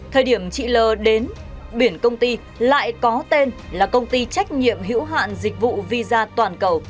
thời điểm chị l đến biển công ty lại có tên là công ty trách nhiệm hữu hạn dịch vụ visa toàn cầu